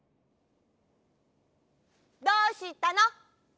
どうしたの？